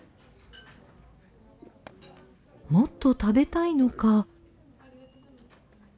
もっと食べたいのか。